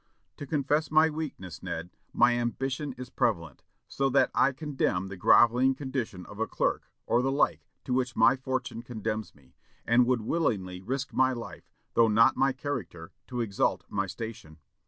"To confess my weakness, Ned, my ambition is prevalent, so that I contemn the grovelling condition of a clerk, or the like, to which my fortune condemns me, and would willingly risk my life, though not my character, to exalt my station.